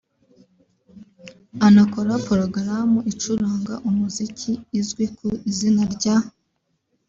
anakora porogaramu icuranga umuziki izwi ku izina rya